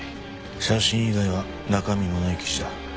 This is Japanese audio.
写真以外は中身のない記事だ。